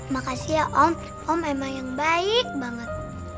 makasih ya om om emang yang baik banget